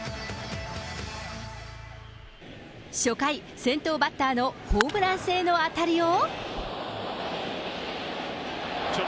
初回、先頭バッターのホームラン性の当たりを。